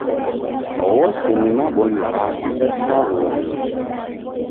Ghose ni mabonyo ghako kusaghuo nicha.